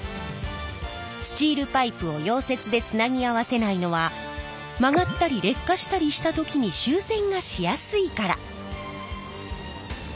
スチールパイプを溶接でつなぎ合わせないのは曲がったり劣化したりした時に修繕がしやすいから。